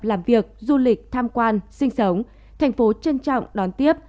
làm việc du lịch tham quan sinh sống thành phố trân trọng đón tiếp